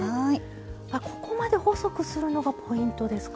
ここまで細くするのがポイントですか？